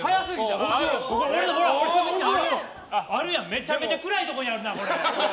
めちゃめちゃ暗いところにあるな！